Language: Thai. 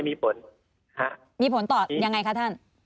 มีผลมีผลต่อยังไงคะท่าน